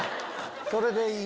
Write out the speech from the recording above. それでいいんだ。